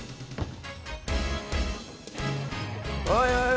おいおい